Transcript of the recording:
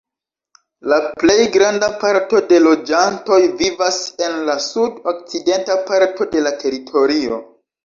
La plej granda parto de loĝantoj vivas en la sud-okcidenta parto de la teritorio.